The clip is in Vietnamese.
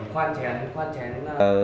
khoan chén khoan chén